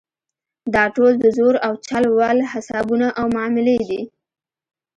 دا ټول د زور او چل ول حسابونه او معاملې دي.